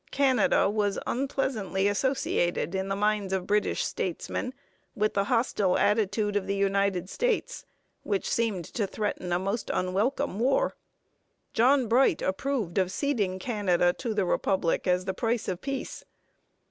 Canada was unpleasantly associated in the minds of British statesmen with the hostile attitude of the United States which seemed to threaten a most unwelcome war. John Bright approved of ceding Canada to the Republic as the price of peace.